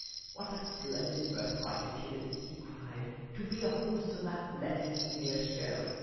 " What a splendid birthright it is," he cried, " to be a wholesome athletic English girl